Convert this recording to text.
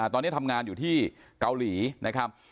ตอนนี้ทำงานอยู่ที่เกาหลีนะครับ